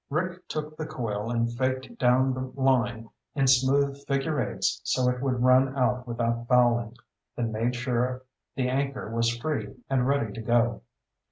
Rick took the coil and faked down the line in smooth figure eights so it would run out without fouling, then made sure the anchor was free and ready to go.